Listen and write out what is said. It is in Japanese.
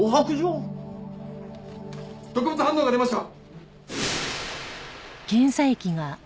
毒物反応が出ました！